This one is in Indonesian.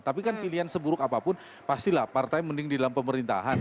tapi kan pilihan seburuk apapun pastilah partai mending di dalam pemerintahan